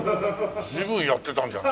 随分やってたんじゃん。